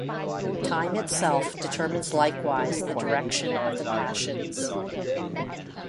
Time itself determines likewise the direction of the passions.